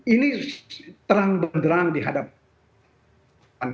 ini terang berderang di hadapan